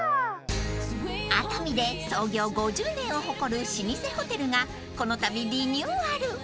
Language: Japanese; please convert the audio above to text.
［熱海で創業５０年を誇る老舗ホテルがこのたびリニューアル］